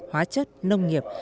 hóa chất nông nghiệp